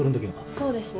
そうですね